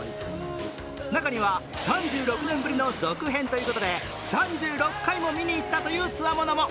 中には３６年ぶりの続編ということで３６回も見に行ったというつわものも。